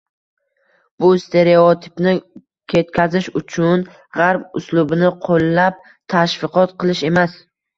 Bu stereotipni ketkazish uchun g‘arb uslubini qo‘llab tashviqot qilish emas